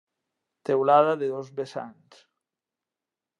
Teulada de dos vessants.